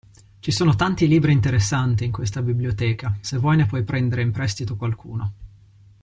Ci sono tanti libri interessanti in questa biblioteca, se vuoi ne puoi prendere in prestito qualcuno.